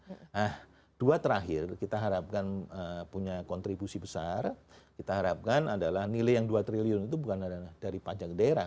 nah dua terakhir kita harapkan punya kontribusi besar kita harapkan adalah nilai yang dua triliun itu bukan dari pajak daerah